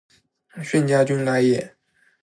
炫家军来也！